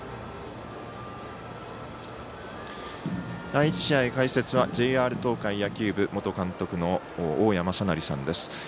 第１試合、解説はＪＲ東海野球部元監督の大矢正成さんです。